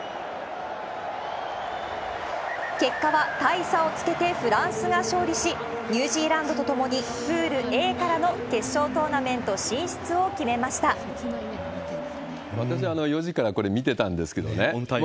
結果は大差をつけてフランスが勝利し、ニュージーランドと共にプールＡからの決勝トーナメント進出を決私、４時からこれ、見てたオンタイムで。